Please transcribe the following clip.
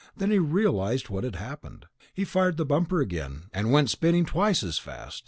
Then he realized what had happened. He fired the bumper again, and went spinning twice as fast.